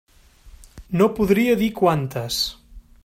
No podria dir quantes.